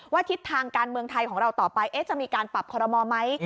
ทิศทางการเมืองไทยของเราต่อไปจะมีการปรับคอรมอลไหม